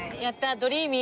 ドリーミン？